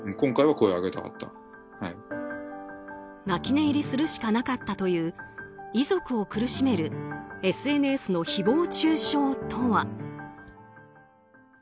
泣き寝入りするしかなかったという遺族を苦しめるＳＮＳの誹謗中傷とは。